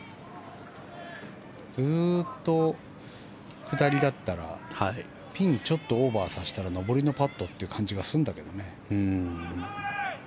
ずっと下りだったらピンちょっとオーバーさせたら上りのパットという感じがするんだけどね。